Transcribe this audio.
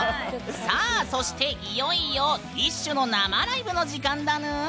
そして、いよいよＤＩＳＨ／／の生ライブの時間だぬん！